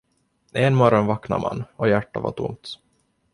En morgon vaknade man, och hjärtat var tomt.